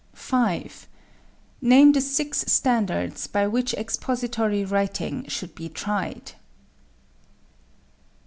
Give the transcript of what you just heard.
5. Name the six standards by which expository writing should be tried.